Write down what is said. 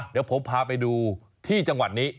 เดี๋ยวผมพาไปดูที่จังหวัดนี้